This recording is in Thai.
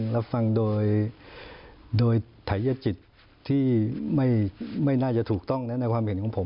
รับฟังโดยไถยจิตที่ไม่น่าจะถูกต้องนะในความเห็นของผม